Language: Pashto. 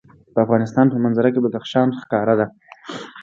د افغانستان په منظره کې بدخشان ښکاره ده.